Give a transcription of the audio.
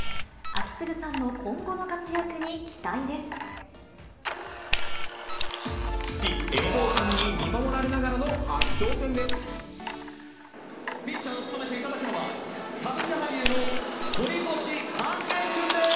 章胤さんの今後の活躍に期待父、海老蔵さんに見守られながらの初挑戦です。